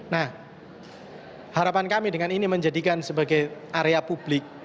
nah harapan kami dengan ini menjadikan sebagai area publik